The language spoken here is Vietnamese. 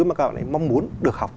mà các bạn ấy mong muốn được học